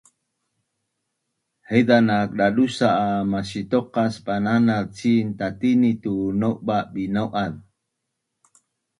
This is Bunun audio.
Haiza nak dadusa’ a masituqas bananaz cin tatini tu nauba’binau’az